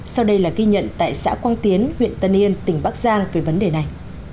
sau đây là ghi nhận tại xã quang tiến huyện tân yên tỉnh bắc giang về vấn đề này